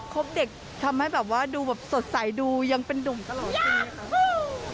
ครบเด็กทำให้ดูแบบว่าสดใสดูยังเป็นดุ่มตลอดที